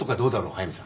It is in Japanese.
速見さん。